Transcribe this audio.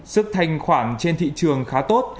sức thanh khoản trên thị trường khá tốt